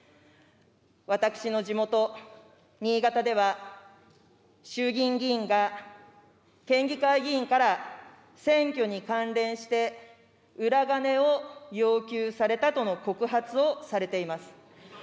私の地元、新潟では、衆議院議員が県議会議員から選挙に関連して、裏金を要求されたとの告発をされています。